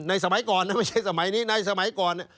สมัยก่อนนะไม่ใช่สมัยนี้ในสมัยก่อนเนี่ย